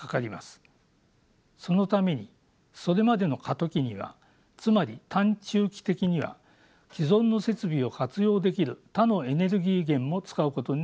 そのためにそれまでの過渡期にはつまり短・中期的には既存の設備を活用できる他のエネルギー源も使うことになります。